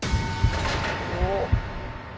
おっ！